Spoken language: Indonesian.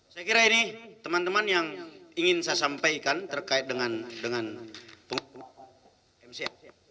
saya kira ini teman teman yang ingin saya sampaikan terkait dengan pengumuman mca